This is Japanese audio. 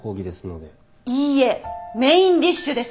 いいえメインディッシュです！